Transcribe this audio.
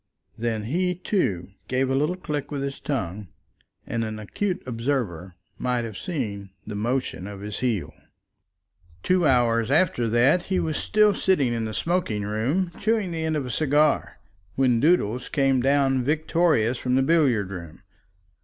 Then he, too, gave a little click with his tongue, and an acute observer might have seen the motion of his heel. Two hours after that he was still sitting in the smoking room, chewing the end of a cigar, when Doodles came down victorious from the billiard room.